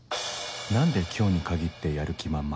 何で今日に限ってやる気満々？